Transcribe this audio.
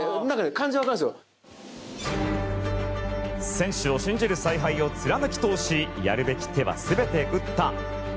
選手を信じる采配を貫き通しやるべき手は全て打った。